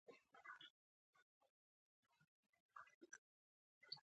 کښت او باغداري خواري غواړي.